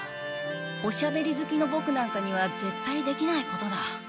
おしゃべりずきのボクなんかにはぜったいできないことだ。